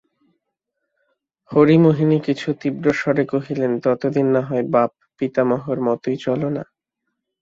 হরিমোহিনী কিছু তীব্রস্বরে কহিলেন, ততদিন নাহয় বাপ-পিতামহর মতোই চলো-না।